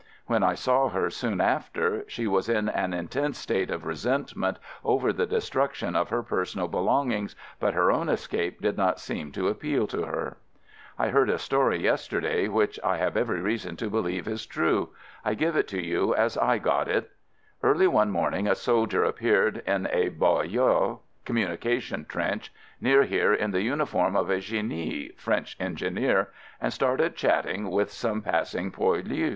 When I saw her soon after she was in an intense state of resentment over the destruction of her personal belongings, but her own escape did not seem to appeal to her. I heard a story yesterday which I have every reason to believe is true. I give it to you as I got it: Early one morning a soldier appeared in a boyau (communication trench) near here in the uniform of a genie (French engineer) and started chatting with some passing poilus.